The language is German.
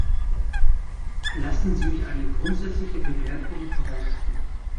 Lassen Sie mich eine grundsätzliche Bemerkung vorausschicken.